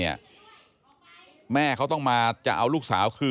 ไอ้แม่ได้เอาแม่ได้เอาแม่